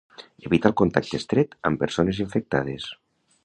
Evitar el contacte estret amb persones infectades.